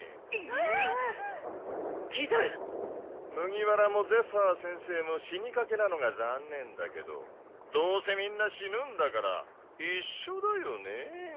麦わらもゼファー先生も死にかけなのが残念だけどどうせみんな死ぬんだから一緒だよね？